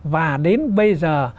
và đến bây giờ